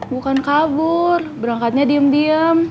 bukan kabur berangkatnya diem diem